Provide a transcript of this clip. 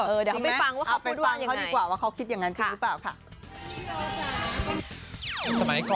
เออเดี๋ยวเขาไปฟังว่าเขามาพูดว่าอย่างไง